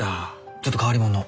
ちょっと変わりもんの。